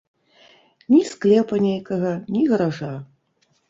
Ні склепа нейкага, ні гаража.